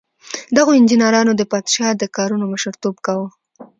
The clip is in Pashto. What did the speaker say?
دغو انجینرانو د پادشاه د کارونو مشر توب کاوه.